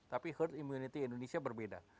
tapi herd immunity indonesia berbeda